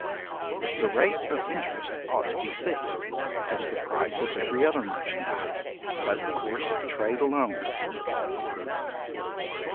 The rate of interest ought to be fixed, as the price of every other merchandize, by the course of trade alone.